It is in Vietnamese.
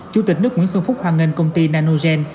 chủ tịch nước nguyễn xuân phúc hoan nghênh công ty nanogen